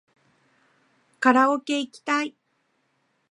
カラオケいきたい